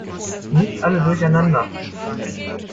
Nicht alle durcheinander!